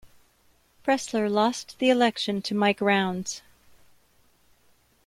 Pressler lost the election to Mike Rounds.